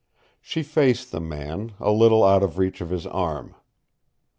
She faced the man, a little out of the reach of his arm.